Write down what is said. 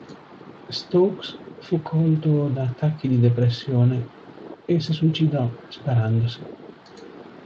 Stokes fu colto da attacchi di depressione e si suicidò sparandosi.